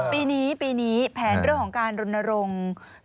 ปีนี้ปีนี้แผนเรื่องของการรณรงค์